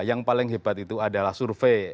yang paling hebat itu adalah survei